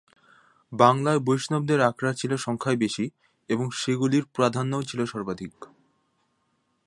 বাংলায় বৈষ্ণবদের আখড়া ছিল সংখ্যায় বেশি এবং সেগুলির প্রাধান্যও ছিল সর্বাধিক।